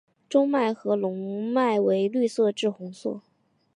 中脉和笼蔓为绿色至红色。